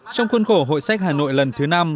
trong khuôn khổ hội sách hà nội lần thứ năm